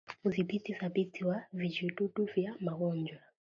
Udhibiti thabiti wa vijidudu vya magonjwa